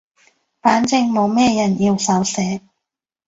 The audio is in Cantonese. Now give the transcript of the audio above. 反正冇咩人要手寫